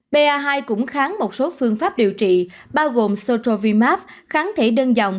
ba hai cũng kháng một số phương pháp điều trị bao gồm sochovimax kháng thể đơn dòng